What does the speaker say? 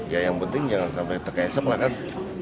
ya yang penting jangan sampai terkesep lah kan